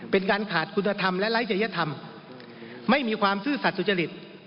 เป็นการขาดคุณธรรมและไร้จริยธรรมไม่มีความซื่อสัตว์สุจริต